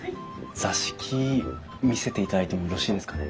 座敷見せていただいてもよろしいですかね？